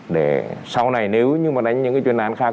để sau này nếu như mà đánh những cái chuyên án khác